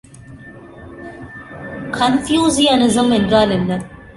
கன்பூசியனிசம் என்றால் என்ன?